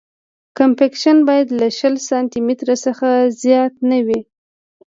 کمپکشن باید له شل سانتي مترو څخه زیات نه وي